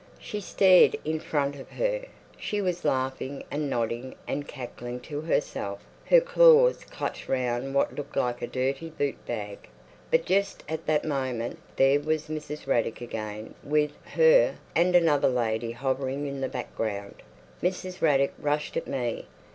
She stared in front of her, she was laughing and nodding and cackling to herself; her claws clutched round what looked like a dirty boot bag. But just at that moment there was Mrs. Raddick again with—her—and another lady hovering in the background. Mrs. Raddick rushed at me.